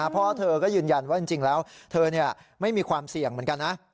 พ่อเธอก็ยืนยันว่าจริงแล้วเธอไม่มีความเสี่ยงเหมือนกันนะ